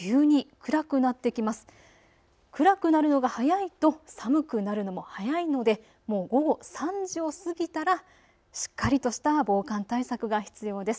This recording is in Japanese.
暗くなるのが早いと寒くなるのも早いのでもう午後３時を過ぎたらしっかりとした防寒対策が必要です。